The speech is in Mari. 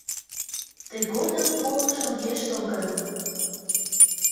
Тыгодым полыш огеш тол гын